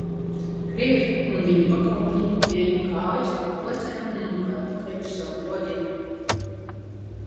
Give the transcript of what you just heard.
"Krievi un viņu pakalpiņi ņēma kājas pār pleciem un muka atpakaļ uz savu "Roģinu"."